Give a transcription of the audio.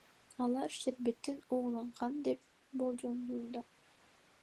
Алар шербеттен ууланган деп болжолдонууда.